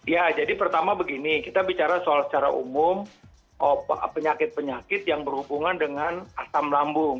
ya jadi pertama begini kita bicara soal secara umum penyakit penyakit yang berhubungan dengan asam lambung